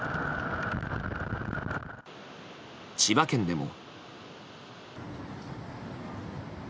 千葉県でも。